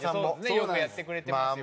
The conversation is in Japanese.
よくやってくれてますよ。